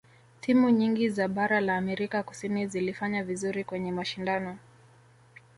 timu nyingi za bara la amerika kusini zilifanya vizuri kwenye mashindano